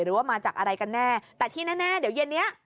หรือว่ามาจากอะไรกันแน่แต่ที่แน่เดี๋ยวเย็นนี้